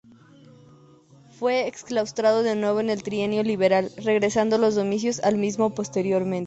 Fue exclaustrado de nuevo en el Trienio Liberal, regresando los dominicos al mismo posteriormente.